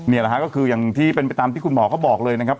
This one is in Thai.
นี่แหละฮะก็คืออย่างที่เป็นไปตามที่คุณหมอเขาบอกเลยนะครับ